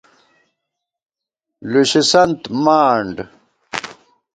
لُشِسنت مانڈ